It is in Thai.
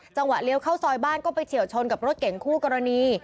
เลี้ยวเข้าซอยบ้านก็ไปเฉียวชนกับรถเก่งคู่กรณี